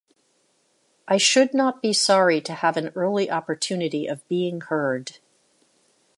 I should not be sorry to have an early opportunity of being heard.